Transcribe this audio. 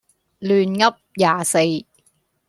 亂噏廿四